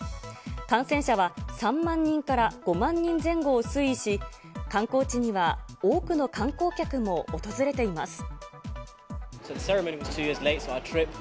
感染者は３万人から５万人前後を推移し、観光地には多くの観光客も訪れています。